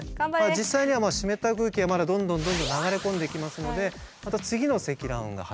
実際には湿った空気はまだどんどんどんどん流れ込んできますのでまた次の積乱雲が発生します。